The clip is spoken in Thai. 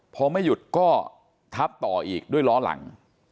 พอไม่หยุดก็ทับต่ออีกด้วยล้อหลัง